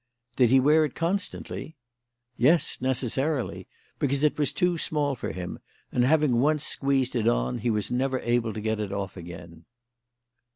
"Did he wear it constantly?" "Yes, necessarily; because it was too small for him, and having once squeezed it on he was never able to get it off again."